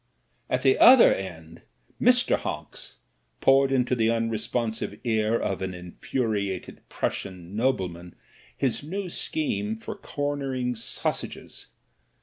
At the other end Mr. Honks poured into the tmresponsive ear of an infuriated Prussian nobleman his new scheme for cornering sausages.